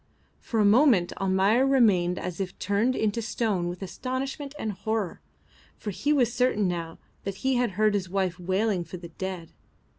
For a moment Almayer remained as if turned into stone with astonishment and horror, for he was certain now that he had heard his wife wailing for the dead.